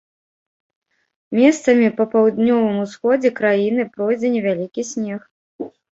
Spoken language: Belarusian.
Месцамі па паўднёвым усходзе краіны пройдзе невялікі снег.